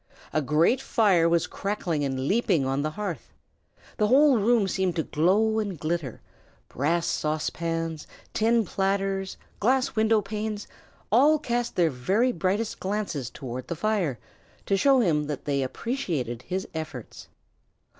A great fire was crackling and leaping on the hearth. The whole room seemed to glow and glitter: brass saucepans, tin platters, glass window panes, all cast their very brightest glances toward the fire, to show him that they appreciated his efforts.